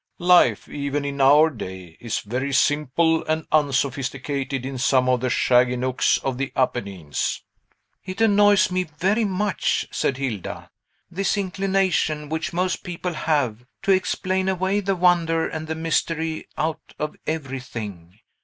Life, even in our day, is very simple and unsophisticated in some of the shaggy nooks of the Apennines." "It annoys me very much," said Hilda, "this inclination, which most people have, to explain away the wonder and the mystery out of everything.